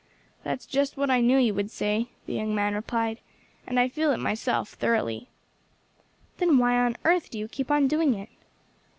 "That is just what I knew you would say," the young man replied, "and I feel it myself, thoroughly." "Then why on earth do you keep on doing it?"